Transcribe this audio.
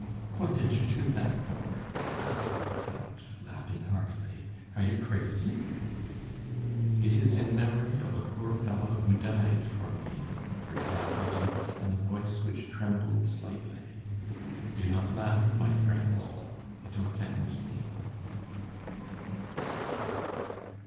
"What did you do that for?" asked the count, laughing heartily, "are you crazy?" "It is in memory of a poor fellow who died for me," replied the duke in a voice which trembled slightly, "do not laugh, my friend, it offends me."